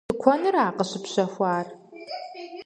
Тыкуэныра къыщыпщэхуар?